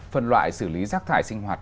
phần loại xử lý rác thải sinh hoạt